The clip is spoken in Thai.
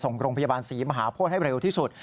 ส่งโรงพยาบาลศรีมหาโพธิให้เร็วที่สุด